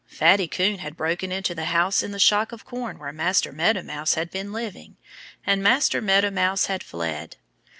Fatty Coon had broken into the house in the shock of corn where Master Meadow Mouse had been living. And Master Meadow Mouse had fled.